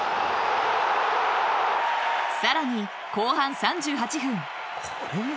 さらに後半３８分。